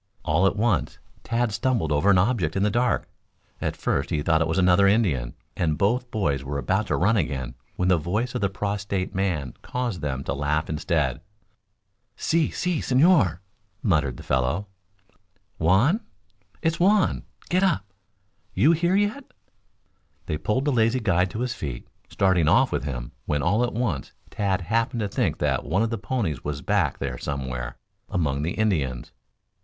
All at once Tad stumbled over an object in the dark. At first he thought it was another Indian, and both boys were about to run again, when the voice of the prostrate man caused them to laugh instead. "Si, si, señor," muttered the fellow. "Juan? It's Juan! Get up! You here yet?" They pulled the lazy guide to his feet, starting off with him, when all at once Tad happened to think that one of the ponies was back there somewhere among the Indians.